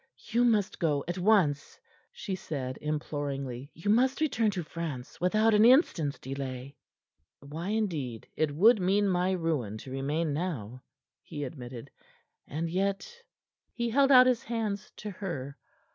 "You must go at once," she said, imploringly. "You must return to France without an instant's delay." "Why, indeed, it would mean my ruin to remain now," he admitted. "And yet " He held out his hands to her.